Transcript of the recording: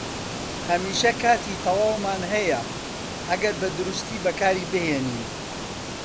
هەمیشە کاتی تەواومان هەیە ئەگەر بەدروستی بەکاری بهێنین.